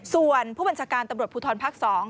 ส่วนผู้บัญชาการตำรวจภูทรภัษฐ์สอง